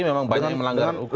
memang banyak yang melanggar hukum